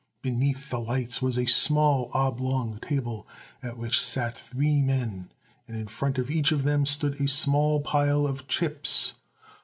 Beneath the lights was a small, oblong table at which sat three men, and in front of each of them stood a small pile of chips.